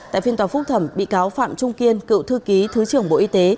tại phiên tòa phúc thẩm bị cáo phạm trung kiên cựu thư ký thứ trưởng bộ y tế